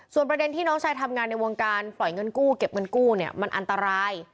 ประเด็นที่น้องชายทำงานในวงการปล่อยเงินกู้เก็บเงินกู้เนี่ยมันอันตราย